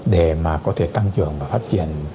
để mà có thể tăng trưởng và phát triển